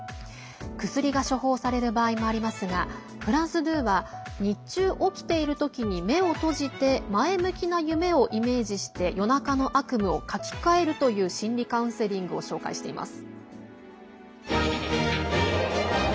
薬が処方される場合もありますがフランス２は日中起きている時に目を閉じて前向きな夢をイメージして夜中の悪夢を書き換えるという心理カウンセリングを紹介しています。